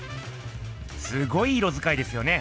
すごい色づかいですよね。